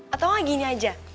atau gak gini aja